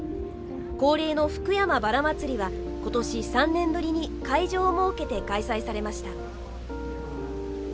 恒例の「福山ばら祭」は今年、３年ぶりに会場を設けて開催されました。